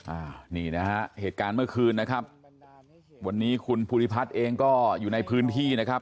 อ่านี่นะฮะเหตุการณ์เมื่อคืนนะครับวันนี้คุณภูริพัฒน์เองก็อยู่ในพื้นที่นะครับ